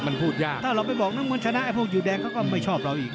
มันพูดยากถ้าเราไปบอกน้ำมนต์ชนะไอพวกยูแดงเขาก็ไม่ชอบเราอีก